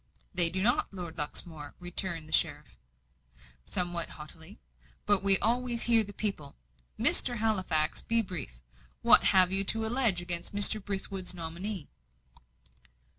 "They do not, Lord Luxmore," returned the sheriff, somewhat haughtily. "But we always hear the people. Mr. Halifax, be brief. What have you to allege against Mr. Brithwood's nominee?"